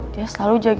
dia selalu jagain gue